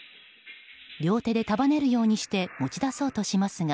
両手で束ねるようにして持ち出そうとしますが